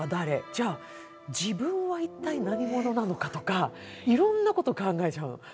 じゃ自分は一体何者なのかとかいろいろなこと考えちゃう。